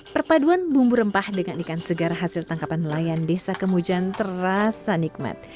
perpaduan bumbu rempah dengan ikan segar hasil tangkapan nelayan desa kemujan terasa nikmat